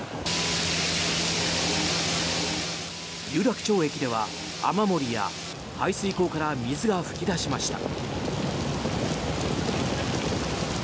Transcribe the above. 有楽町駅では雨漏りや排水溝から水が噴き出しました。